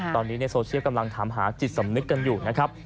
ตอนนี้ในโซเชียลกำลังถามหาจิตสำนึกกันอยู่นะครับ